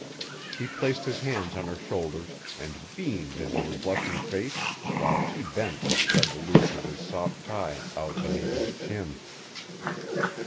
He placed his hands on her shoulders and beamed into her blushing face while she bent and spread the loops of his soft tie out beneath his chin.